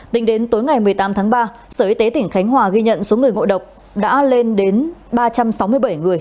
tính đến tối ngày một mươi tám tháng ba sở y tế tỉnh khánh hòa ghi nhận số người ngộ độc đã lên đến ba trăm sáu mươi bảy người